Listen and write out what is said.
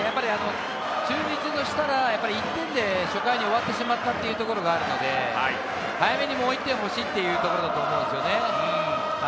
中日としたら１点で初回終わってしまったというのがあるので、早めにもう１点欲しいというところだと思うんですね。